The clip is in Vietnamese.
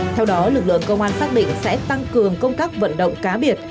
theo đó lực lượng công an xác định sẽ tăng cường công tác vận động cá biệt